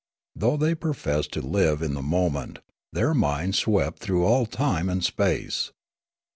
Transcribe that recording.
Though the}^ professed to live in the moment, their minds swept through all time and space.